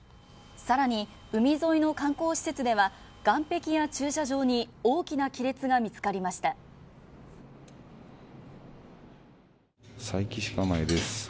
更に海沿いの観光施設では岸壁や駐車場に大きな亀裂が見つかりました佐伯市です